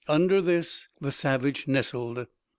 Under this the savage nestled.